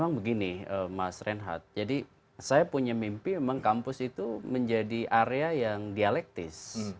memang begini mas reinhardt jadi saya punya mimpi memang kampus itu menjadi area yang dialektis